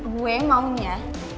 gue yang maunya